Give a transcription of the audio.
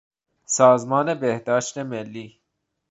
سازمان بهداشت ملی